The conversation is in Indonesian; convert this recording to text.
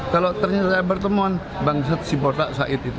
kalau ternyata bertemuan bangset si bota said itu